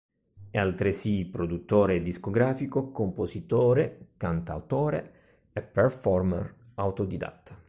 È altresì produttore discografico, compositore, cantautore e performer autodidatta.